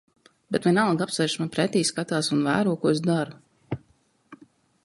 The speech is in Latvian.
Bet vienalga apsēžas man pretī, skatās un vēro, ko es daru.